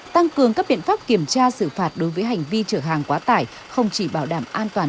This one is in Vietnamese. tăng cường các biện pháp kiểm tra xử phạt đối với hành vi chở hàng quá tải không chỉ bảo đảm an toàn